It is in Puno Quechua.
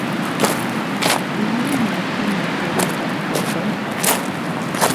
Imayna hina karutaq karqan?